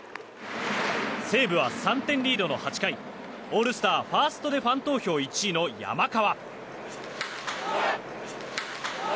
西武は３点リードの８回オールスター、ファーストでファン投票１位の山川。